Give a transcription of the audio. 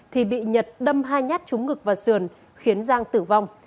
thì bị nhật đâm hai nhát trúng ngực và sườn khiến giang tử vong